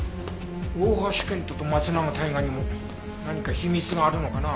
大橋剣人と松永大我にも何か秘密があるのかな？